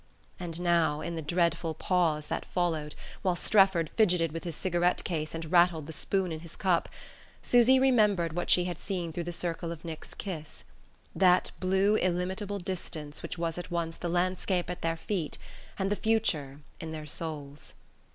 And now, in the dreadful pause that followed while Strefford fidgeted with his cigarette case and rattled the spoon in his cup, Susy remembered what she had seen through the circle of Nick's kiss: that blue illimitable distance which was at once the landscape at their feet and the future in their souls....